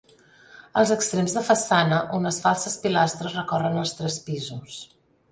Als extrems de façana unes falses pilastres recorren els tres pisos.